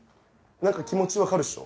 何か気持ち分かるっしょ？